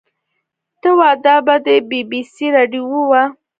ته وا دا به د بي بي سي راډيو وه.